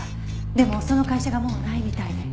でもその会社がもうないみたいで。